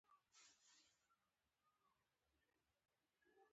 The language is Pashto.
غوا د خپل مالک له غږ سره بلدتیا لري.